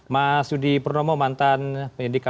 mas yudi pernomo mantan pendidikan